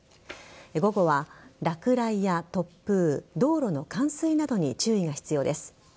午後は、落雷や突風道路の冠水などに注意が必要です。